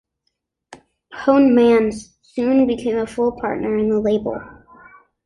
Poneman soon became a full partner in the label.